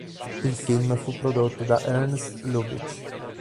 Il film fu prodotto da Ernst Lubitsch.